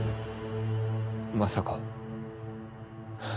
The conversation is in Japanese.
まさか。